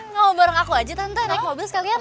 ngomong bareng aku aja tante naik mobil sekalian